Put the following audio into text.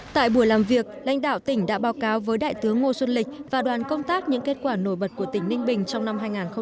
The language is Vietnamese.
tại buổi làm việc lãnh đạo tỉnh đã báo cáo với đại tướng ngô xuân lịch và đoàn công tác những kết quả nổi bật của tỉnh ninh bình trong năm hai nghìn hai mươi ba